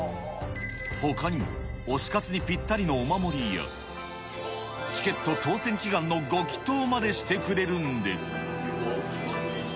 ほかにも、推し活にぴったりのお守りや、チケット当せん祈願のご祈とうまでしてくれるんです。